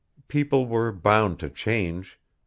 People were bound to change.